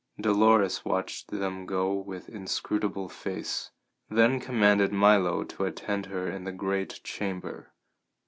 Dolores watched them go with inscrutable face; then commanded Milo to attend her in the great chamber.